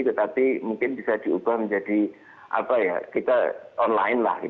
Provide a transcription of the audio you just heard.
tetapi mungkin bisa diubah menjadi kita online lah